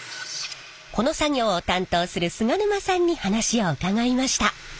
この作業を担当する菅沼さんに話を伺いました。